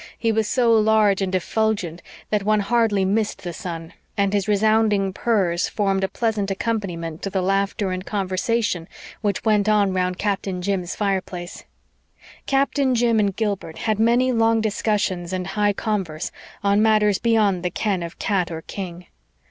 He was so large and effulgent that one hardly missed the sun, and his resounding purrs formed a pleasant accompaniment to the laughter and conversation which went on around Captain Jim's fireplace. Captain Jim and Gilbert had many long discussions and high converse on matters beyond the ken of cat or king.